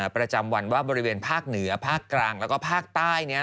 ประจำวันว่าบริเวณภาคเหนือภาคกลางแล้วก็ภาคใต้